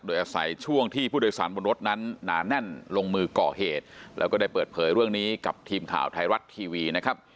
โดยอาศัยช่วงที่ผู้โดยสารบนรถนั้นหนาแน่นลงมือก่อเหตุแล้วก็ได้เปิดเผยเรื่องนี้กับทีมข่าวไทยรัฐทีวีนะครับ